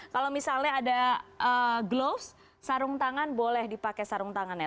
kalau misalnya ada glove sarung tangan boleh dipakai sarung tangannya